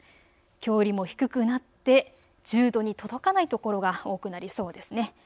きょうよりも低くなって１０度に届かない所が多くなりそうです。